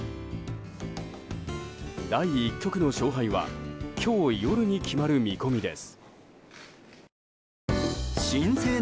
第１局の勝敗は今日夜に決まる見込みです。